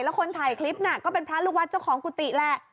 แล้วคนถ่ายคลิปน่ะก็เป็นพระลูกวัดเจ้าของกุฏิแหละ